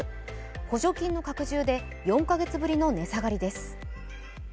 補助金の拡充で４か月ぶりの値下がりです。